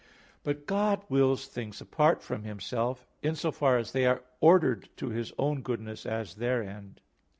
But God wills things apart from Himself in so far as they are ordered to His own goodness as their end.